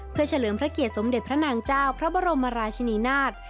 เพื่อเฉลิมพระเกียรติสมเด็จพระนางเจ้าพระบรมราชินีนาฏ